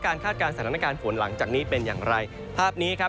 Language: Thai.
คาดการณ์สถานการณ์ฝนหลังจากนี้เป็นอย่างไรภาพนี้ครับ